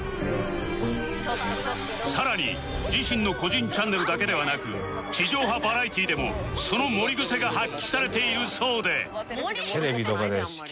さらに自身の個人チャンネルだけではなく地上波バラエティーでもその盛りグセが発揮されているそうで